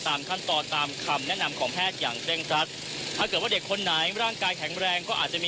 แทศนายโค้ดทองค่าข่าคุณทัศนายโค้ดทองค่าแถลงข่าวเมื่อช่วงบ่ายที่ผ่านมากันก่อนนะครับ